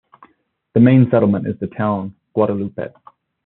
The main settlement is the town Guadalupe.